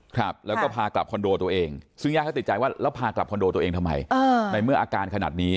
ครับแล้วก็พากลับคอนโดตัวเองซึ่งญาติเขาติดใจว่าแล้วพากลับคอนโดตัวเองทำไมอ่าในเมื่ออาการขนาดนี้